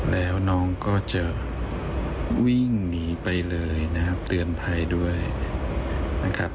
แล้วน้องก็จะวิ่งหนีไปเลยนะครับเตือนภัยด้วยนะครับ